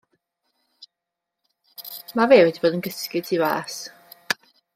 Ma' fe wedi bod yn cysgu tu fas.